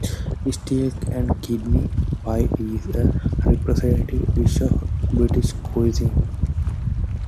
Steak and kidney pie is a representative dish of British cuisine.